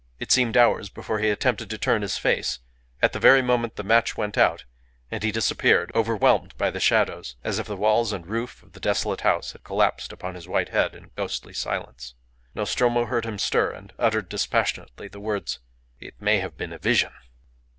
It seemed hours before he attempted to turn his face; at the very moment the match went out, and he disappeared, overwhelmed by the shadows, as if the walls and roof of the desolate house had collapsed upon his white head in ghostly silence. Nostromo heard him stir and utter dispassionately the words "It may have been a vision."